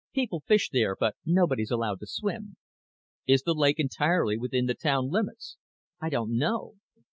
"People fish there but nobody's allowed to swim." "Is the lake entirely within the town limits?" "I don't know."